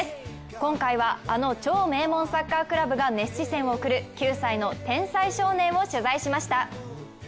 今回は、あの超名門サッカークラブが熱視線を送る９歳の天才少年を取材しました。